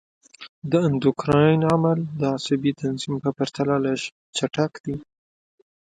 د اندوکراین عمل د عصبي تنظیم په پرتله لږ چټک دی.